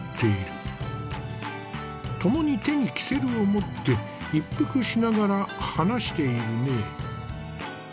ともに手に煙管を持って一服しながら話しているね。